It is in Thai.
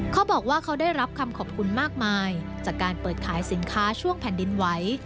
เขาบอกว่าเขาได้รับคำขอบคุณมากมายจากการเปิดขายสินค้าช่วงแผ่นดินไหว